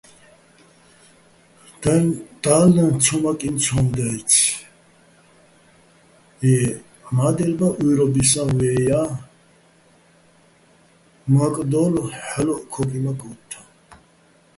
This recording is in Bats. დალნ ცომაკინ ცომ დაჲცი̆-ჲე, მადელ ბა უჲრობისაჼ ვაჲა მაკდოლო̆ ჰ̦ალოჸ ქოკიმაქ ოთთაჼ.